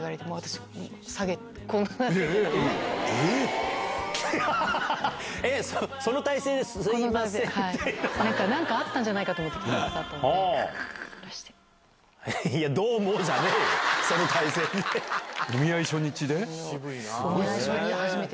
はい、なんかあったんじゃないかと思って来たらしくて。